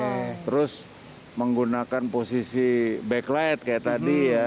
kita harus menggunakan posisi backlight kayak tadi ya